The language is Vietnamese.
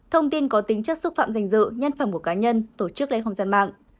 thông tin có tính chất xúc phạm danh dự nhân phẩm của cá nhân tổ chức lấy không gian mạng